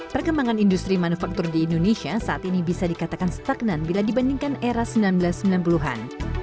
perkembangan industri manufaktur di indonesia saat ini bisa dikatakan stagnan bila dibandingkan era seribu sembilan ratus sembilan puluh an